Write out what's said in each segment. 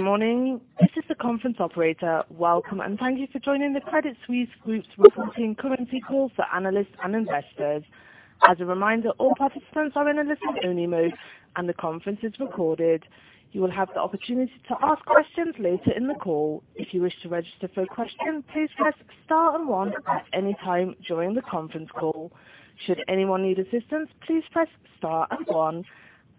Good morning. This is the conference operator. Welcome, and thank you for joining the Credit Suisse Group's reporting currency call for analysts and investors. As a reminder, all participants are in a listen-only mode, and the conference is recorded. You will have the opportunity to ask questions later in the call. If you wish to register for a question, please press star and one at any time during the conference call. Should anyone need assistance, please press star and one.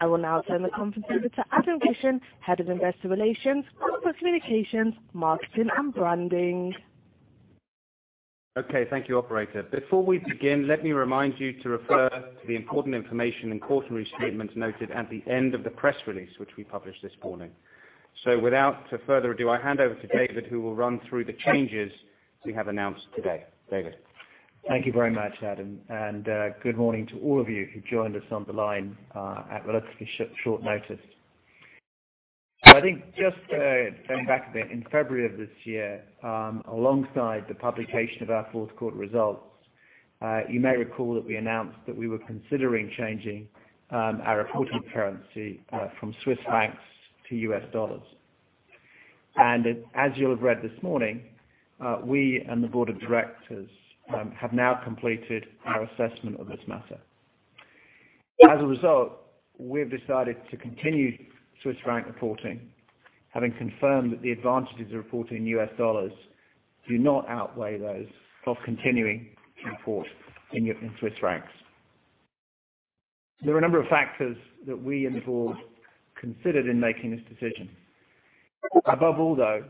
I will now turn the conference over to Adam Gishen, Head of Investor Relations, Public Communications, Marketing, and Branding. Okay. Thank you, Operator. Before we begin, let me remind you to refer to the important information and cautionary statements noted at the end of the press release, which we published this morning. Without further ado, I hand over to David, who will run through the changes we have announced today. David. Thank you very much, Adam, and good morning to all of you who joined us on the line at relatively short notice. I think just going back a bit, in February of this year, alongside the publication of our fourth quarter results, you may recall that we announced that we were considering changing our reporting currency from Swiss francs to US dollars. As you'll have read this morning, we and the board of directors have now completed our assessment of this matter. As a result, we have decided to continue Swiss franc reporting, having confirmed that the advantages of reporting in US dollars do not outweigh those of continuing to report in Swiss francs. There are a number of factors that we and the board considered in making this decision. Above all, though,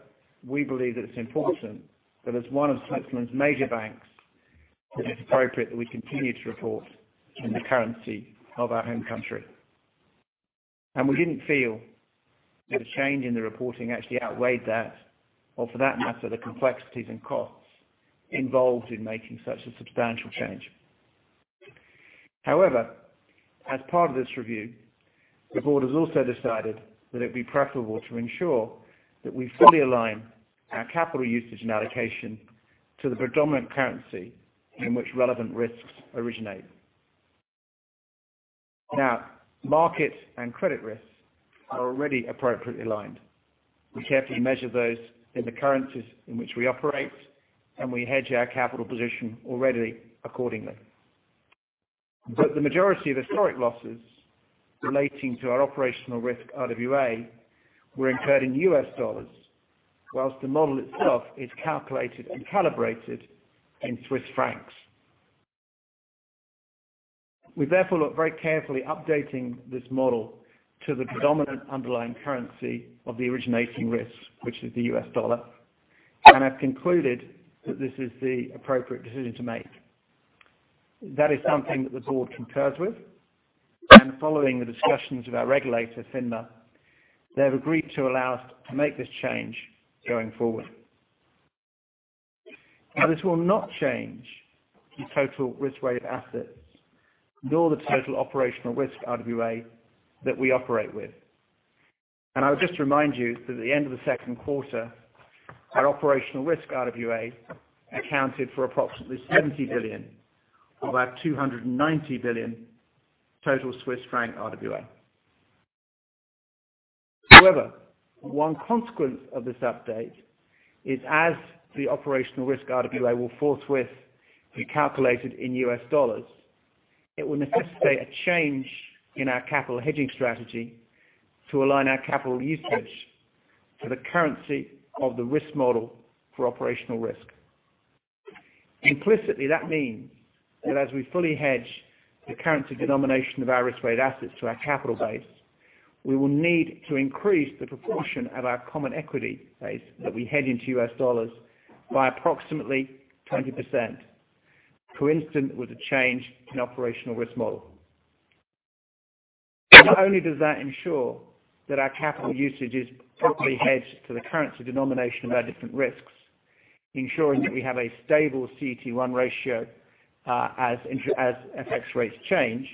we believe that it's important that as one of Switzerland's major banks, that it's appropriate that we continue to report in the currency of our home country. We didn't feel that a change in the reporting actually outweighed that, or for that matter, the complexities and costs involved in making such a substantial change. However, as part of this review, the board has also decided that it'd be preferable to ensure that we fully align our capital usage and allocation to the predominant currency in which relevant risks originate. Now, market and credit risks are already appropriately aligned. We carefully measure those in the currencies in which we operate, and we hedge our capital position already accordingly. The majority of historic losses relating to our operational risk RWA were incurred in US dollars, whilst the model itself is calculated and calibrated in Swiss francs. We therefore looked very carefully updating this model to the predominant underlying currency of the originating risks, which is the U.S. dollar, and have concluded that this is the appropriate decision to make. That is something that the board concurs with, and following the discussions with our regulator, FINMA, they have agreed to allow us to make this change going forward. Now, this will not change the total risk-weighted assets nor the total operational risk RWA that we operate with. I would just remind you that at the end of the second quarter, our operational risk RWA accounted for approximately 70 billion of our 290 billion total Swiss franc RWA. However, one consequence of this update is as the operational risk RWA will forthwith be calculated in U.S. dollars, it would necessitate a change in our capital hedging strategy to align our capital usage to the currency of the risk model for operational risk. Implicitly, that means that as we fully hedge the currency denomination of our risk-weighted assets to our capital base, we will need to increase the proportion of our common equity base that we hedge into U.S. dollars by approximately 20%, coincident with a change in operational risk model. Not only does that ensure that our capital usage is properly hedged to the currency denomination of our different risks, ensuring that we have a stable CET1 ratio as FX rates change,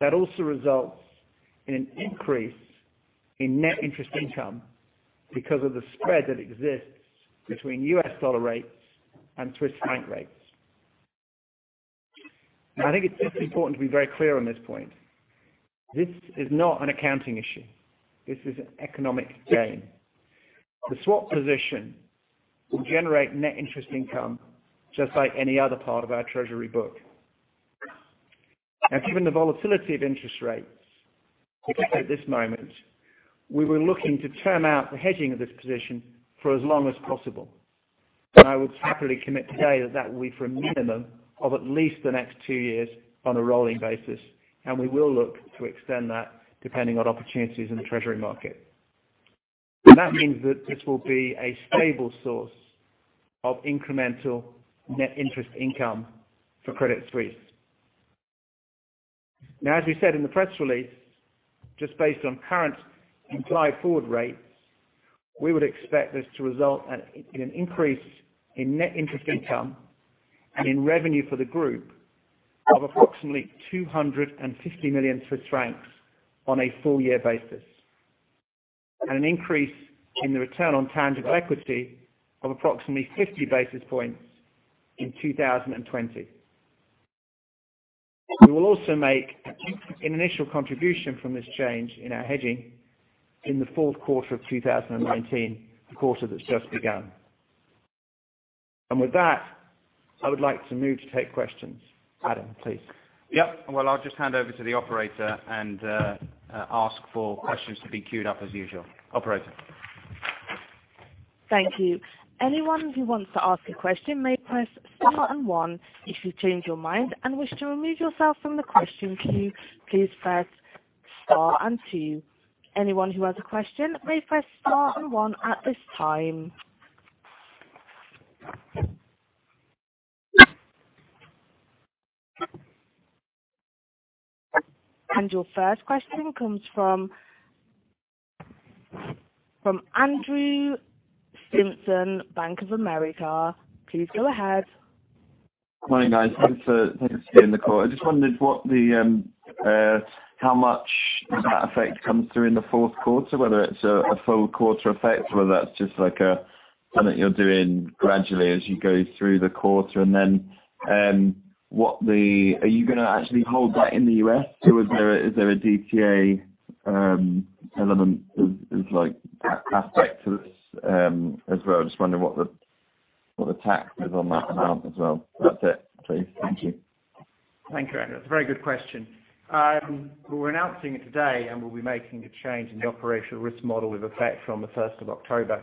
that also results in an increase in net interest income because of the spread that exists between U.S. dollar rates and Swiss franc rates. I think it's just important to be very clear on this point. This is not an accounting issue. This is an economic gain. The swap position will generate net interest income just like any other part of our treasury book. Given the volatility of interest rates, particularly at this moment, we were looking to term out the hedging of this position for as long as possible. I would happily commit today that that will be for a minimum of at least the next two years on a rolling basis, and we will look to extend that depending on opportunities in the treasury market. That means that this will be a stable source of incremental net interest income for Credit Suisse. As we said in the press release, just based on current implied forward rates, we would expect this to result in an increase in net interest income and in revenue for the group of approximately 250 million Swiss francs on a full year basis. An increase in the return on tangible equity of approximately 50 basis points in 2020. We will also make an initial contribution from this change in our hedging in the fourth quarter of 2019, the quarter that's just begun. With that, I would like to move to take questions. Adam, please. Yeah. Well, I'll just hand over to the operator and ask for questions to be queued up as usual. Operator. Thank you. Anyone who wants to ask a question may press star and one. If you change your mind and wish to remove yourself from the question queue, please press star and two. Anyone who has a question may press star and one at this time. Your first question comes from Andrew Stimpson, Bank of America. Please go ahead. Morning, guys. Thanks for letting us be in the call. I just wondered how much of that effect comes through in the fourth quarter, whether it's a full quarter effect, or whether that's just something that you're doing gradually as you go through the quarter. Are you going to actually hold that in the U.S.? Is there a DTA element an aspect to this as well? Just wondering what the tax is on that amount as well. That's it. Please. Thank you. Thank you, Andrew. That's a very good question. We're announcing it today, and we'll be making a change in the operational risk model with effect from the 1st of October.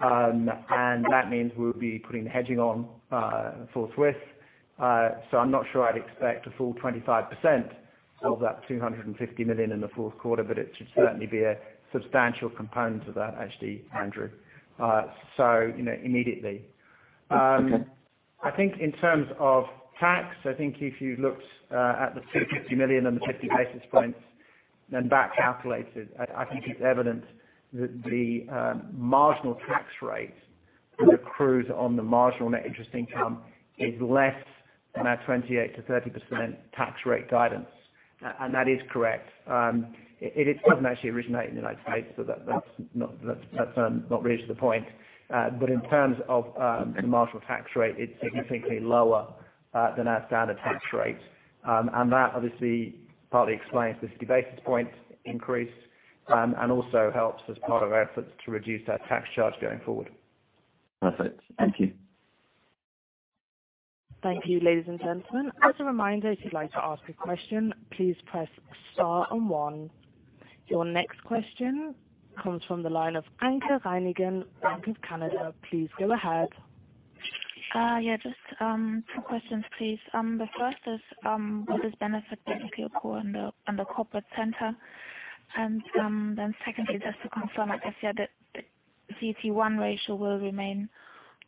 That means we'll be putting the hedging on for Swiss. I'm not sure I'd expect a full 25% of that 250 million in the fourth quarter, but it should certainly be a substantial component of that, actually, Andrew. Immediately. Okay. I think in terms of tax, I think if you looked at the 250 million and the 50 basis points, then back calculated, I think it's evident that the marginal tax rate that accrues on the marginal net interest income is less than our 28%-30% tax rate guidance. That is correct. It doesn't actually originate in the United States, so that's not really to the point. In terms of the marginal tax rate, it's significantly lower than our standard tax rate. That obviously partly explains the 50 basis points increase, and also helps as part of our efforts to reduce our tax charge going forward. Perfect. Thank you. Thank you, ladies and gentlemen. As a reminder, if you'd like to ask a question, please press star and one. Your next question comes from the line of Anke Reingen, RBC Capital Markets. Please go ahead. Just two questions, please. The first is, will this benefit basically occur on the corporate center? Secondly, just to confirm, I guess, yeah, that the CET1 ratio will remain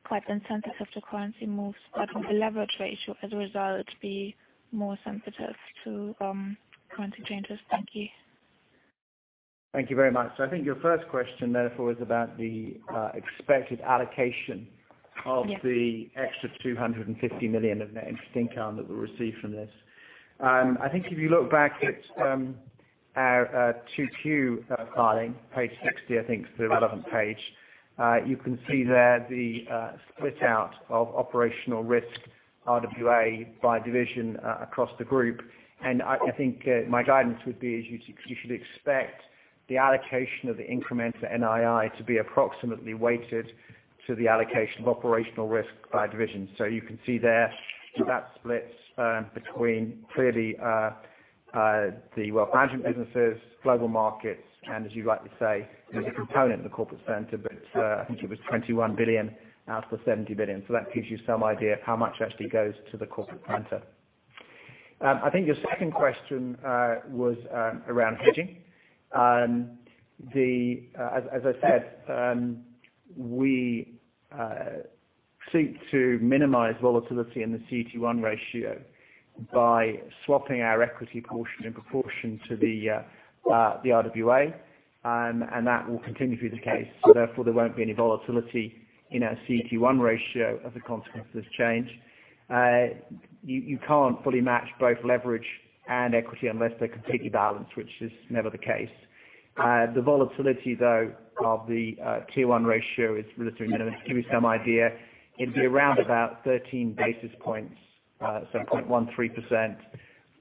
quite insensitive to currency moves, but will the leverage ratio, as a result, be more sensitive to currency changes? Thank you. Thank you very much. I think your first question, therefore, is about the expected allocation of. Yes extra 250 million of net interest income that we'll receive from this. I think if you look back at our 2022 filing, page 60, I think, is the relevant page. You can see there the split out of operational risk RWA by division across the group. I think my guidance would be is you should expect the allocation of the incremental NII to be approximately weighted to the allocation of operational risk by division. You can see there that splits between clearly the wealth management businesses, global markets, and as you rightly say, there's a component in the corporate center, but I think it was 21 billion out of the 70 billion. That gives you some idea of how much actually goes to the corporate center. I think your second question was around hedging. As I said, we seek to minimize volatility in the CET1 ratio by swapping our equity portion in proportion to the RWA, and that will continue to be the case. Therefore, there won't be any volatility in our CET1 ratio as a consequence of this change. You can't fully match both leverage and equity unless they're completely balanced, which is never the case. The volatility, though, of the Tier 1 ratio is relatively minimal. To give you some idea, it'd be around about 13 basis points, so 0.13%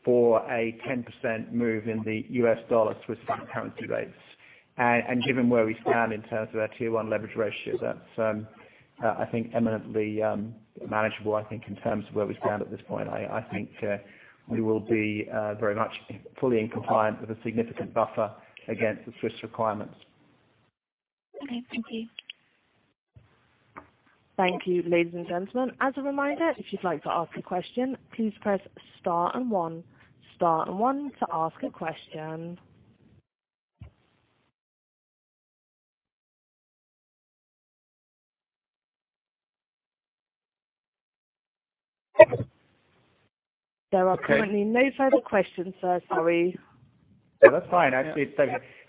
for a 10% move in the US dollar Swiss franc currency rates. Given where we stand in terms of our Tier 1 leverage ratio, that's I think eminently manageable, I think, in terms of where we stand at this point. I think we will be very much fully in compliance with a significant buffer against the Swiss requirements. Okay. Thank you. Thank you, ladies and gentlemen. As a reminder, if you'd like to ask a question, please press star and one. Star and one to ask a question. There are currently no further questions, sir. Sorry. No, that's fine. Actually,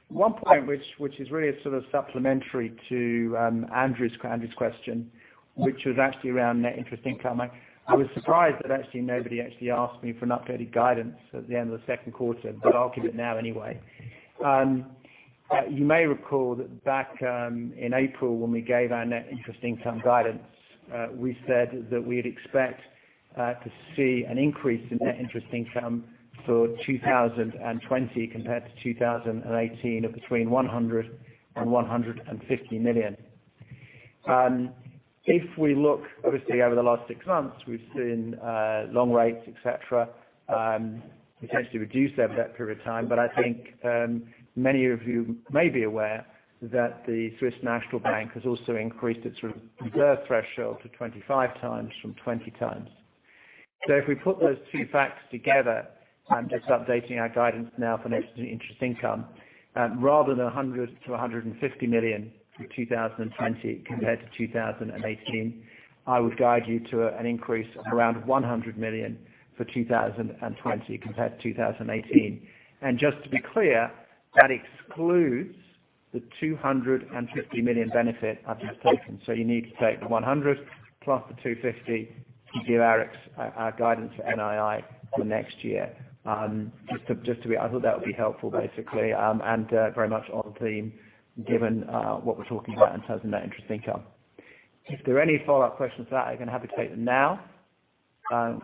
one point which is really a sort of supplementary to Andrew's question, which was actually around net interest income. I was surprised that actually nobody actually asked me for an updated guidance at the end of the second quarter, but I'll give it now anyway. Okay. You may recall that back in April when we gave our Net Interest Income guidance, we said that we'd expect to see an increase in Net Interest Income for 2020 compared to 2018 of between 100 million and 150 million. If we look, obviously, over the last six months, we've seen long rates, et cetera, potentially reduce over that period of time. I think many of you may be aware that the Swiss National Bank has also increased its reserve threshold to 25 times from 20 times. If we put those two facts together, I'm just updating our guidance now for Net Interest Income. Rather than 100 million to 150 million for 2020 compared to 2018, I would guide you to an increase of around 100 million for 2020 compared to 2018. Just to be clear, that excludes the 250 million benefit I've just taken. You need to take the 100 plus the 250 to give our guidance for NII for next year. I thought that would be helpful, basically, and very much on theme given what we're talking about in terms of net interest income. If there are any follow-up questions to that, I'm going to have you take them now.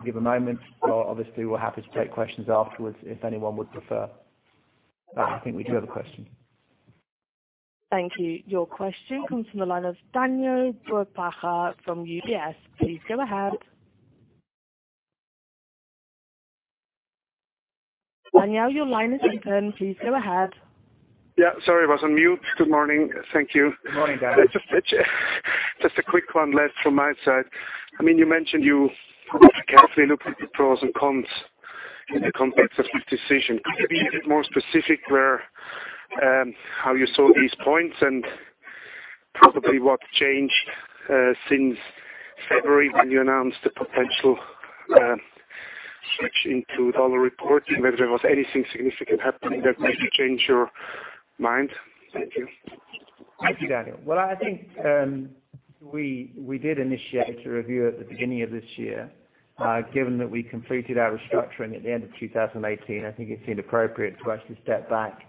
Give a moment. Obviously, we're happy to take questions afterwards if anyone would prefer. I think we do have a question. Thank you. Your question comes from the line of Daniele Brupbacher from UBS. Please go ahead. Daniele, your line is open. Please go ahead. Yeah, sorry, I was on mute. Good morning. Thank you. Good morning, Daniele. Just a quick one last from my side. You mentioned you would carefully look at the pros and cons in the context of this decision. Could you be a bit more specific how you saw these points and probably what changed since February when you announced the potential switch into dollar reporting? Whether there was anything significant happening that made you change your mind. Thank you. Thank you, Daniele. Well, I think we did initiate a review at the beginning of this year. Given that we completed our restructuring at the end of 2018, I think it seemed appropriate for us to step back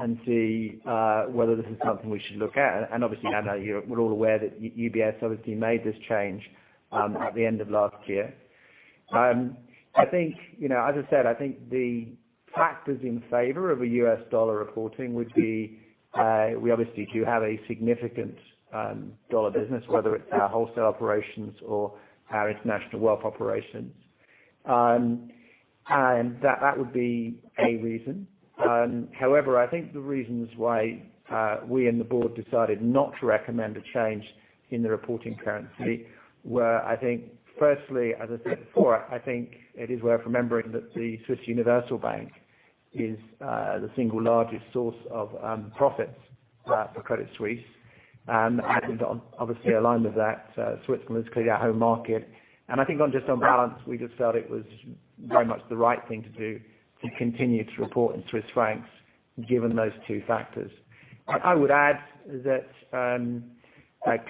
and see whether this is something we should look at. Obviously, I know we're all aware that UBS obviously made this change at the end of last year. As I said, I think the factors in favor of a U.S. dollar reporting would be, we obviously do have a significant dollar business, whether it's our wholesale operations or our international wealth operations. That would be a reason. I think the reasons why we and the board decided not to recommend a change in the reporting currency were, I think, firstly, as I said before, I think it is worth remembering that the Swiss Universal Bank is the single largest source of profits for Credit Suisse. Obviously aligned with that, Switzerland is clearly our home market. I think on just on balance, we just felt it was very much the right thing to do to continue to report in Swiss francs, given those two factors. I would add that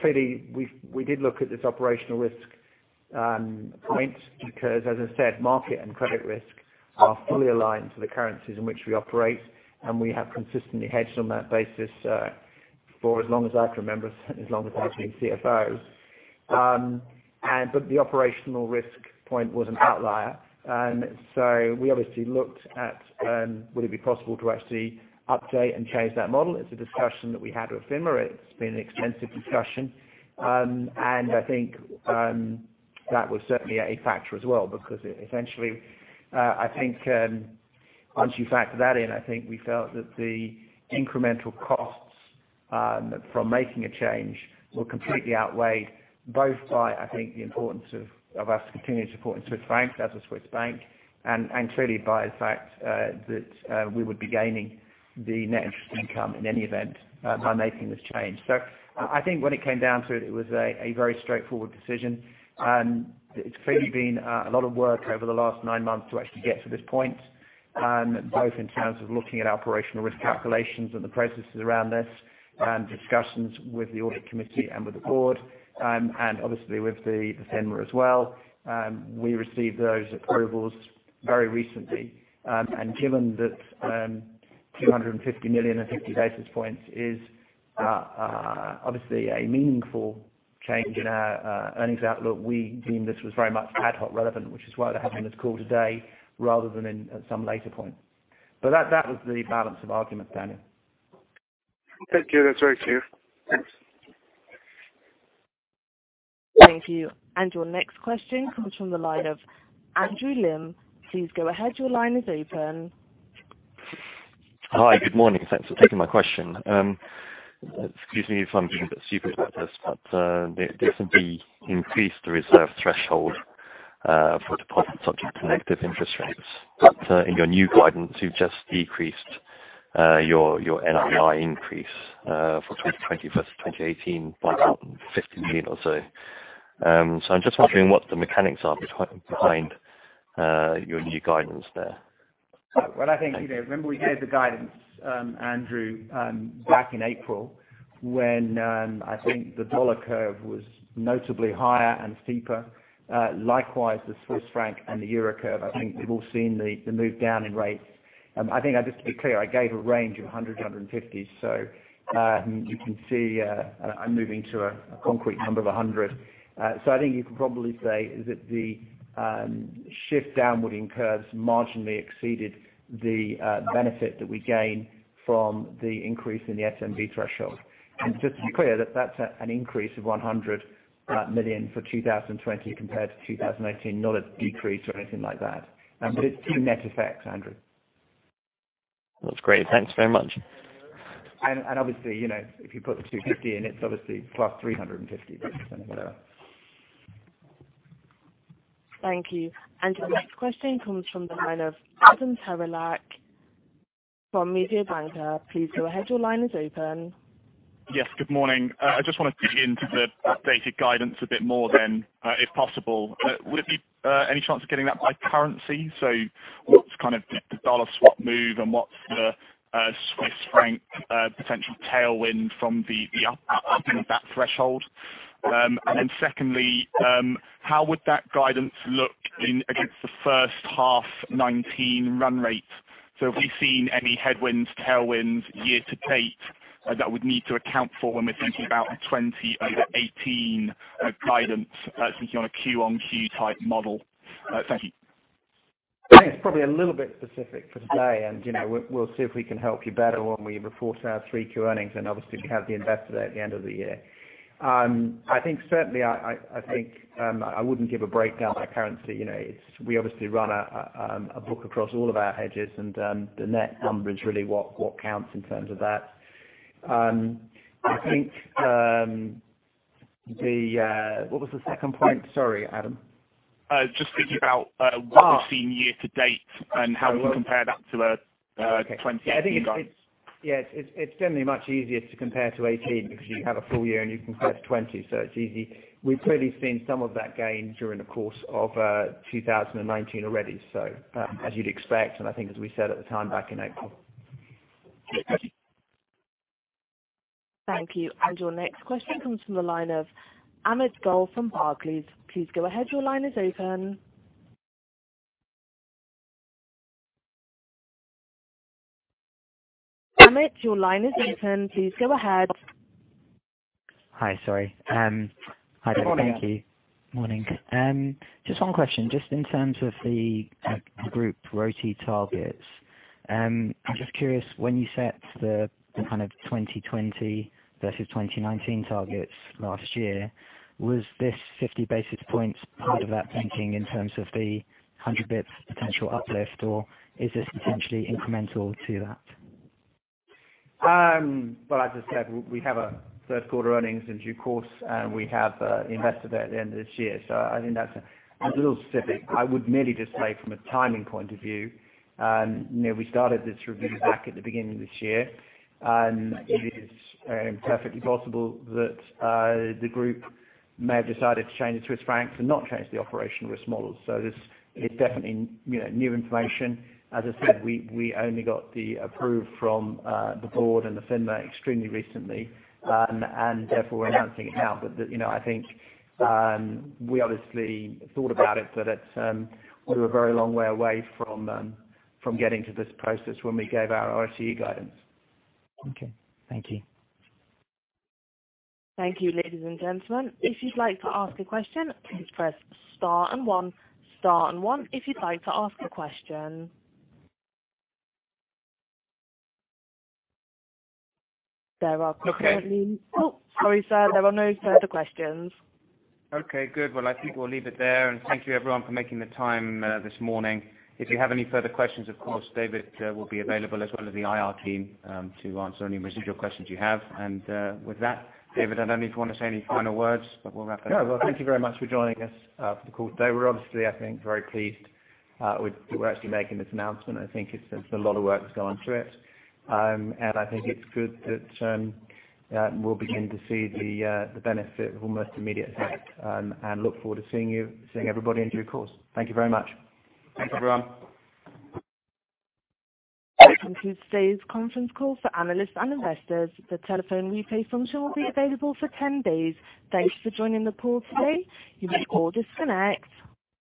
clearly we did look at this operational risk point because, as I said, market and credit risk are fully aligned to the currencies in which we operate, and we have consistently hedged on that basis for as long as I can remember, as long as I've been CFO. The operational risk point was an outlier. We obviously looked at, would it be possible to actually update and change that model? It's a discussion that we had with FINMA. It's been an extensive discussion. I think that was certainly a factor as well, because essentially, I think once you factor that in, I think we felt that the incremental costs from making a change were completely outweighed both by, I think, the importance of us continuing to support in Swiss francs as a Swiss bank, and clearly by the fact that we would be gaining the net interest income in any event by making this change. I think when it came down to it was a very straightforward decision. It's clearly been a lot of work over the last nine months to actually get to this point, both in terms of looking at operational risk calculations and the processes around this, and discussions with the audit committee and with the board, and obviously with the FINMA as well. We received those approvals very recently. Given that 250 million and 50 basis points is obviously a meaningful change in our earnings outlook, we deemed this was very much ad hoc relevant, which is why we're having this call today rather than at some later point. That was the balance of argument, Daniele. Thank you. That's very clear. Thanks. Thank you. Your next question comes from the line of Andrew Lim. Please go ahead. Your line is open. Hi. Good morning. Thanks for taking my question. Excuse me if I'm being a bit super about this, you recently increased the reserve threshold for deposits subject to negative interest rates. In your new guidance, you've just decreased your NII increase for 2020 versus 2018 by 150 million or so. I'm just wondering what the mechanics are behind your new guidance there. Well, I think, remember we gave the guidance, Andrew, back in April when I think the U.S. dollar curve was notably higher and steeper. Likewise, the Swiss franc and the euro curve. I think we've all seen the move down in rates. I think just to be clear, I gave a range of 100 to 150. You can see I'm moving to a concrete number of 100. I think you can probably say that the shift downward in curves marginally exceeded the benefit that we gain from the increase in the SNB threshold. Just to be clear, that that's an increase of 100 million for 2020 compared to 2019, not a decrease or anything like that. It's two net effects, Andrew. That's great. Thanks very much. Obviously, if you put the 250 in, it's obviously plus 350, but whatever. Thank you. Your next question comes from the line of Adam Terelak from Mediobanca. Please go ahead. Your line is open. Good morning. I just want to dig into the updated guidance a bit more then, if possible. Would there be any chance of getting that by currency? What's kind of the USD swap move and what's the Swiss franc potential tailwind from the up in that threshold? Secondly, how would that guidance look against the first half 2019 run rate? Have we seen any headwinds, tailwinds year to date that we'd need to account for when we're thinking about a 2020 over 2018 guidance, thinking on a Q-on-Q type model? Thank you. I think it's probably a little bit specific for today. We'll see if we can help you better when we report our three Q earnings. Obviously we have the investor day at the end of the year. I think certainly, I think I wouldn't give a breakdown by currency. We obviously run a book across all of our hedges. The net number is really what counts in terms of that. What was the second point? Sorry, Adam. Just thinking about what we've seen year to date and how we compare that to 2020 guidance. It's generally much easier to compare to 2018 because you have a full year and you compare to 2020, so it's easy. We've clearly seen some of that gain during the course of 2019 already. As you'd expect, and I think as we said at the time back in April. Thank you. Your next question comes from the line of Amit Goel from Barclays. Please go ahead. Your line is open. Amit, your line is open. Please go ahead. Hi. Sorry. Hi, David. Good morning, Amit. Morning. Just one question, just in terms of the group RoTE targets. I'm just curious, when you set the kind of 2020 versus 2019 targets last year, was this 50 basis points part of that thinking in terms of the 100 basis points potential uplift, or is this potentially incremental to that? Well, as I said, we have a third quarter earnings in due course, and we have investor day at the end of this year. I think that's a little specific. I would merely just say from a timing point of view, we started this review back at the beginning of this year. It is perfectly possible that the group may have decided to change the Swiss francs and not change the operational risk model. It's definitely new information. As I said, we only got the approval from the board and the FINMA extremely recently. Therefore, we're announcing it now. I think we obviously thought about it, but we were a very long way away from getting to this process when we gave our ICE guidance. Okay. Thank you. Thank you, ladies and gentlemen. If you'd like to ask a question, please press star and one. Star and one if you'd like to ask a question. Okay. Oh, sorry sir. There are no further questions. Okay, good. Well, I think we'll leave it there. Thank you everyone for making the time this morning. If you have any further questions, of course, David will be available as well as the IR team to answer any residual questions you have. With that, David, I don't know if you want to say any final words, but we'll wrap it up. No. Well, thank you very much for joining us for the call today. We're obviously, I think, very pleased that we're actually making this announcement. I think a lot of work has gone through it. I think it's good that we'll begin to see the benefit of almost immediate effect, and look forward to seeing everybody in due course. Thank you very much. Thanks, everyone. That concludes today's conference call for analysts and investors. The telephone replay function will be available for 10 days. Thanks for joining the call today. You may all disconnect.